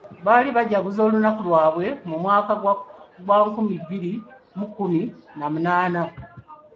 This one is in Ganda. Baali bajaguza olunaku lwabwe mu mwaka gwa nkumi bbiri mu kumi na munaana.